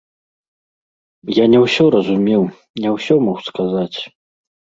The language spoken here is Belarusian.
Я не ўсё разумеў, не ўсё мог сказаць.